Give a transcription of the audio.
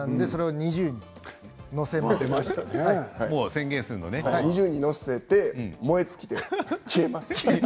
２０に乗せて燃え尽きて消えます。